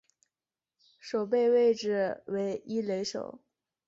守备位置为一垒手。